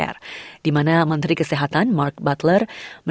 itu sangat memahami demoralisasi